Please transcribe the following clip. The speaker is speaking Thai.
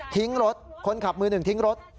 ทิ้งรถคนขับมือหนึ่งทิ้งรถ